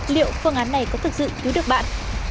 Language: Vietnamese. liệu phương án này có thực sự cứu được bạn